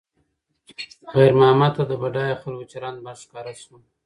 خیر محمد ته د بډایه خلکو چلند بد ښکاره شو.